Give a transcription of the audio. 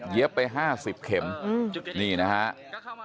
เหยียบไป๕๐เข็มนี่นะคะ